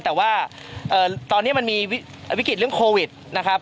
แต่ว่าตอนนี้มันมีวิกฤตเรื่องโควิดนะครับ